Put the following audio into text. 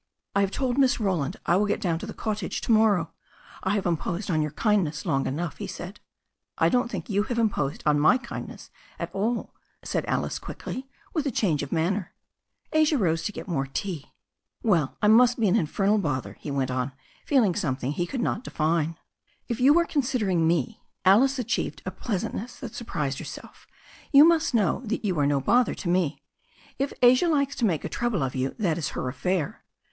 "I have told Miss Roland I will get down to the cottage to morrow. I have imposed on your kindness long enough," he said. "I don't think you have imposed on my kindness at all," said Alice quickly, with a change of manner. THE STORY OF A NEW ZEALAND RIVER 303 Asia rose to get more tea. "Well, I must be an infernal bother/' he went on, feeling something he could not define. "If you are considering me," Alice achieved a pleasant ness that surprised herself, "you must know that you are no bother to me. If Asia likes to make a trouble of you that is her affair."